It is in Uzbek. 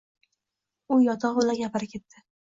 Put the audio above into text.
U yotigʼi bilan gapira ketdi.